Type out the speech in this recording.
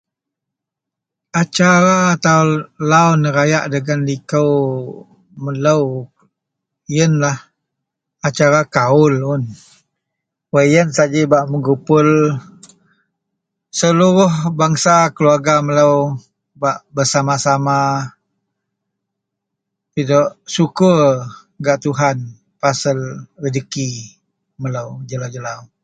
Acara atau lau nerayak dagen liko melo iyenlah acara kawul un wak iyen saji bak mengupul seluruh bangsa keluarga melo bak bersama-sama pidok sukur gak Tuhan pasel rejeki melo jelau-jelau.